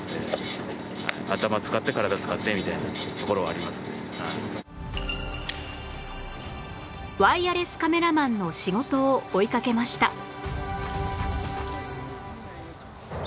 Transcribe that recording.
僕はもうワイヤレスカメラマンの仕事を追いかけました